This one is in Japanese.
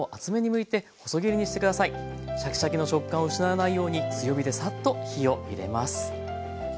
シャキシャキの食感を失わないように強火でサッと火を入れます。